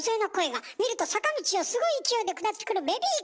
見ると坂道をすごい勢いで下ってくるベビーカー！